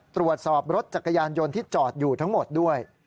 ตรวจสอบรถจักรยานยนต์ที่จอดอยู่ทั้งหมดด้วย